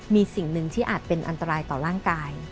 มีสิ่งหนึ่งที่อาจเป็นอันตรายต่อร่างกาย